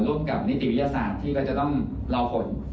ร่วมกับนิติวิทยาศาสตร์ที่ก็จะต้องรอผล